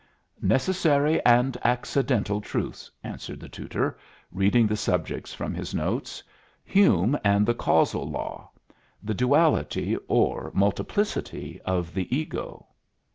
"Necessary and accidental truths," answered the tutor, reading the subjects from his notes. "Hume and the causal law. The duality, or multiplicity, of the ego."